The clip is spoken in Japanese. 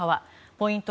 ポイント